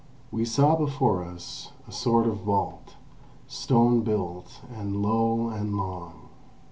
We saw before us a sort of vault, stone built, and low, and long.